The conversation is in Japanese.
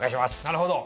なるほど。